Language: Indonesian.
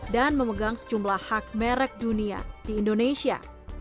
dan memegang sejumlah hak merek dunia di indonesia